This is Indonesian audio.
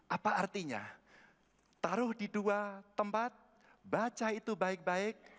apa artinya taruh di dua tempat baca itu baik baik